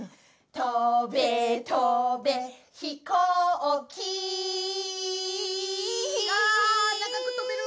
「とべとべ」「ひこうきーん」あ長くとべる！